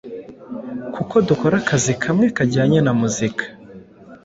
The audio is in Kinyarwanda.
kuko dukora akazi kamwe kajyanye na muzika